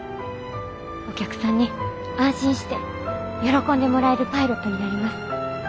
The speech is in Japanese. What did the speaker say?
お客さんに安心して喜んでもらえるパイロットになります。